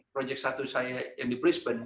project satu saya yang di brisbane